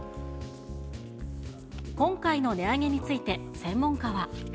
今回の値上げについて、専門家は。